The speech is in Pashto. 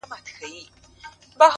• پر مخ وريځ؛